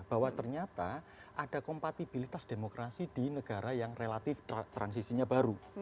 bahwa ternyata ada kompatibilitas demokrasi di negara yang relatif transisinya baru